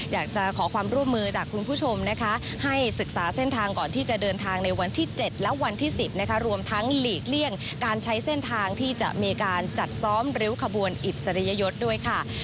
อยากจะขอความร่วมมือจากคุณผู้ชมนะคะให้ศึกษาเส้นทางก่อนที่จะเดินทางในวันที่๗และวันที่๑๐นะคะรวมทั้งหลีกเลี่ยงการใช้เส้นทางที่จะมีการจัดซ้อมริ้วขบวนอิสริยยศด้วยค่ะ